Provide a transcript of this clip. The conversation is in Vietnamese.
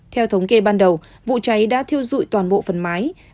theo thống kê ban đầu vụ cháy đã thiêu dụi toàn bộ phần mái